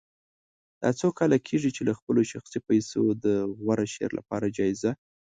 دا څو کاله کېږي چې له خپلو شخصي پیسو د غوره شعر لپاره جایزه